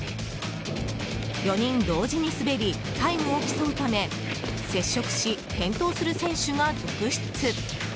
４人同時に滑りタイムを競うため接触し、転倒する選手が続出。